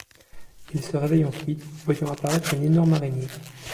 Il se réveille ensuite, voyant apparaître une énorme araignée.